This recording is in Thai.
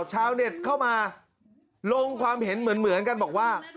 ชาวเน็ตเข้ามาลงความเห็นเหมือนกันบอกว่า